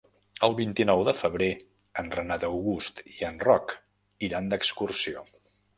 El vint-i-nou de febrer en Renat August i en Roc iran d'excursió.